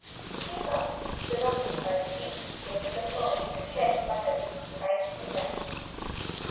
He came up the rockery by degrees, breaking the ferns, and shedding buttons right and left.